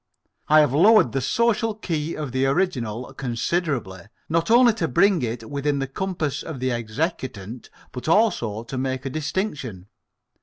I have lowered the social key of the original considerably, not only to bring it within the compass of the executant, but also to make a distinction.